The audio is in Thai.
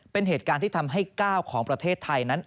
เป็นเหตุการณ์ที่ทำให้ก้าวของประเทศไทยนั้น